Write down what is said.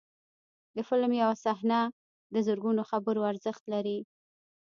د فلم یو صحنه د زرګونو خبرو ارزښت لري.